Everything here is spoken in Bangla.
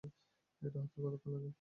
এটা হতে কতক্ষন লাগবে?